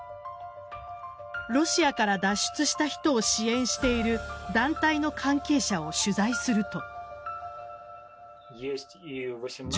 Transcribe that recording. ロシアから脱出した人を支援している団体の関係者を取材すると。